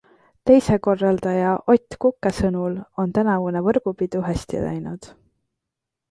Teise korraldaja Ott Kuke sõnul on tänavune võrgupidu hästi läinud.